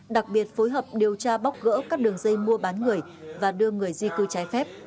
đặc biệt phối hợp điều tra bóc gỡ các đường dây mua bán người và đưa người di cư trái phép